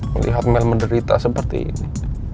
melihat mel menderita seperti ini